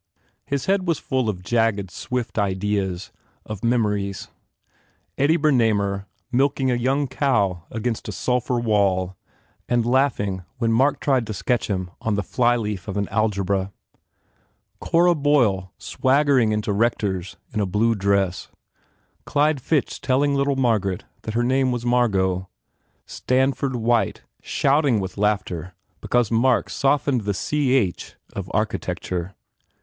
His head was full of jagged swift ideas, of memories; Eddie Bernamer milking a young cow against a sulphur wall and laughing when Mark tried to sketch him on the fly leaf of an algebra; Cora Boyle swag gering into Rector s in a blue dress; Clyde Fitch telling little Margaret that her name was Mar got; Stanford White shouting with laughter be cause Mark softened the ch of "architecture."